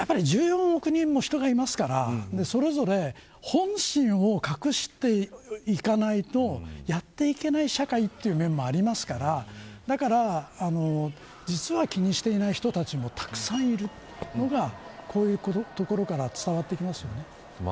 １０億人も人がいるのでそれぞれ本心を隠していかないとやっていけない社会というところもありますからだから、実は気にしていない人たちもたくさんいるというのがこういうところから伝わってきますね。